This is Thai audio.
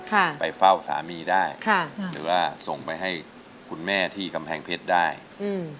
ค่ะไปเฝ้าสามีได้ค่ะหรือว่าส่งไปให้คุณแม่ที่กำแพงเพชรได้อืม